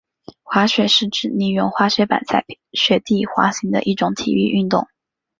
滑雪是指利用滑雪板在雪地滑行的一种体育运动。